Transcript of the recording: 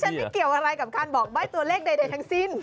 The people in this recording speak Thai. ไม่เกี่ยวอะไรกับการบอกใบ้ตัวเลขใดทั้งสิ้น